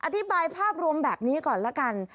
อธิบายภาพรวมแบบนี้ก่อนละกัน